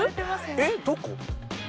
えっどこ？